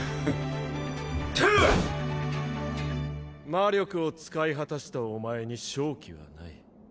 魔力を使い果たしたお前に勝機はない。